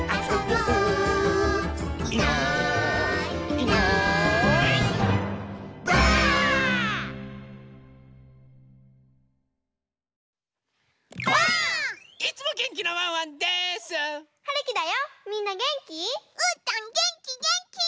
うーたんげんきげんき！